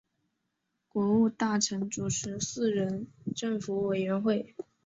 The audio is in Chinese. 国务大臣主持四人政府委员会。